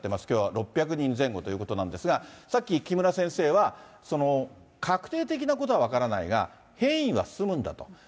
きょうは６００人前後ということなんですが、さっき木村先生は、確定的なことは分からないが、変異が進むんだと。